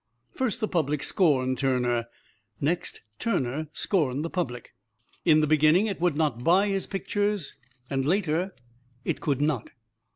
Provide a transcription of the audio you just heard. First, the public scorned Turner. Next, Turner scorned the public. In the beginning it would not buy his pictures, and later it could not.